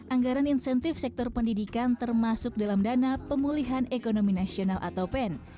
anggaran insentif sektor pendidikan termasuk dalam dana pemulihan ekonomi nasional atau pen